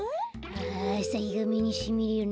ああさひがめにしみるね。